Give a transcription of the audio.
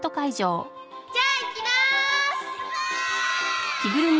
じゃあいきまーす。